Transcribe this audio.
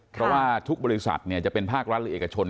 เพราะว่าทุกบริษัทจะเป็นภาครัฐหรือเอกชน